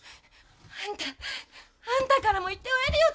あんたあんたからも言っておやりよ！